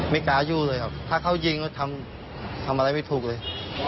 กายู่เลยครับถ้าเขายิงเขาทำอะไรไม่ถูกเลย